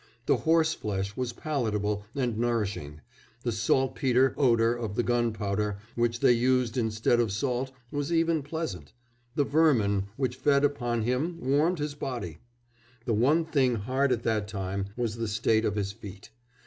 The horse flesh was palatable and nourishing, the saltpetre odour of the gunpowder which they used instead of salt was even pleasant ... the vermin which fed upon him warmed his body. The one thing hard at that time was the state of his feet.